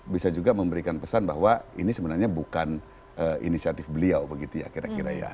bisa juga memberikan pesan bahwa ini sebenarnya bukan inisiatif beliau begitu ya kira kira ya